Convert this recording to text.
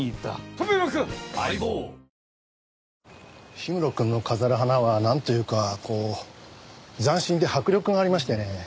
氷室くんの飾る花はなんというかこう斬新で迫力がありましてね。